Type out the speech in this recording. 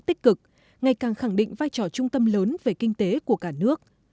tích cực ngày càng khẳng định vai trò trung tâm lớn về kinh tế của cả nước